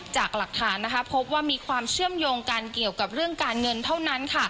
จากหลักฐานพบว่ามีความเชื่อมโยงกันเกี่ยวกับเรื่องการเงินเท่านั้น